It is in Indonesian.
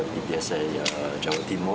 bpsi jawa timur